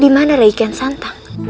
di mana reikian santang